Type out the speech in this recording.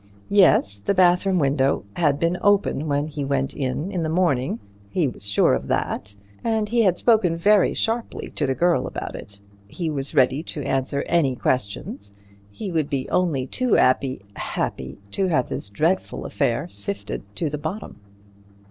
Yes, the bathroom window had been open when he went in in the morning, he was sure of that, and he had spoken very sharply to the girl about it. He was ready to answer any questions; he would be only too 'appy—happy to have this dreadful affair sifted to the bottom.